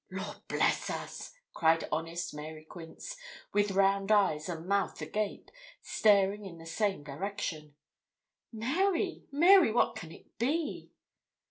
'Lord bless us!' cried honest Mary Quince, with round eyes and mouth agape, staring in the same direction. 'Mary Mary, what can it be?'